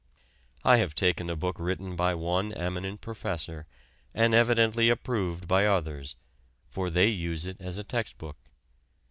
I have taken a book written by one eminent professor and evidently approved by others, for they use it as a text book.